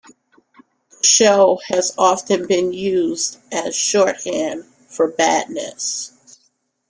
The show has often been used as shorthand for badness.